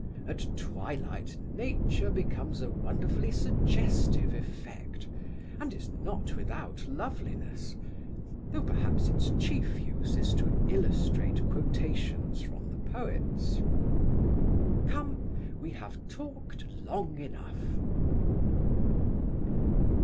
At twilight nature becomes a wonderfully suggestive effect, and is not without loveliness, though perhaps its chief use is to illustrate quotations from the poets. Come! We have talked long enough.